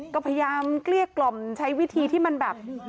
ก็พยายามเกลี้ยกล่อมใช้วิธีที่มันแบบ